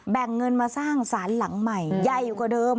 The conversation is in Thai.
แบ่งเงินมาสร้างสารหลังใหม่ใหญ่กว่าเดิม